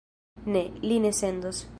Ne, li ne sendos.